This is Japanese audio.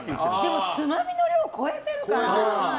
でもつまみの量、超えてるから。